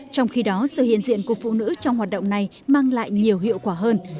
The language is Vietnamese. trong khi đó sự hiện diện của phụ nữ trong hoạt động này mang lại nhiều hiệu quả hơn